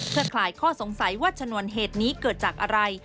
เพื่อคลายข้อสงสัยว่าชนวนเหตุนี้เกิดจากอะไร